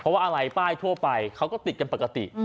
อะไรป้ายทั่วไปเขาก็ติดกันปกติ